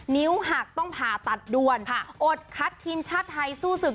นิ้วหักต้องผ่าตัดด่วนอดคัดทีมชาติไทยสู้ศึก